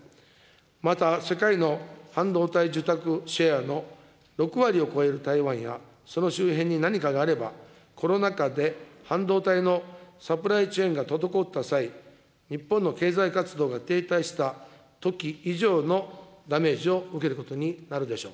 また世界の半導体受託シェアの６割を超える台湾やその周辺に何かがあれば、コロナ禍で半導体のサプライチェーンが滞った際、日本の経済活動が停滞したとき以上のダメージを受けることになるでしょう。